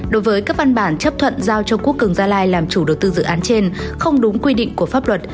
đối với các văn bản chấp thuận giao cho quốc cường gia lai làm chủ đầu tư dự án trên không đúng quy định của pháp luật